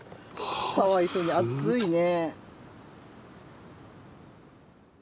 かわいそうに暑いね。